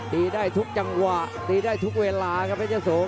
ตีได้ทุกจังหวะตีได้ทุกเวลาครับเพชรยะโส